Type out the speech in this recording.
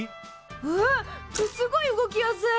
うんすごい動きやすい。